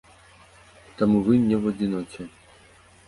Таму вы не ў адзіноце.